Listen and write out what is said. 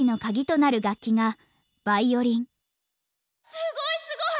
すごいすごい！